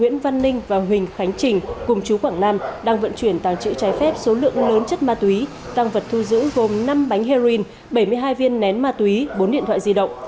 nguyễn văn ninh và huỳnh khánh trình cùng chú quảng nam đang vận chuyển tàng trữ trái phép số lượng lớn chất ma túy tăng vật thu giữ gồm năm bánh heroin bảy mươi hai viên nén ma túy bốn điện thoại di động